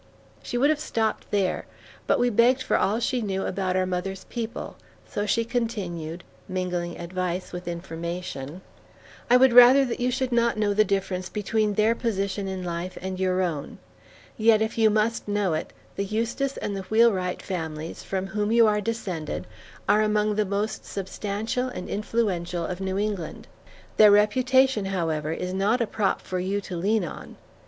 She would have stopped there, but we begged for all she knew about our mother's people, so she continued, mingling advice with information: "I would rather that you should not know the difference between their position in life and your own; yet, if you must know it, the Eustis and the Wheelwright families, from whom you are descended, are among the most substantial and influential of New England. Their reputation, however, is not a prop for you to lean on.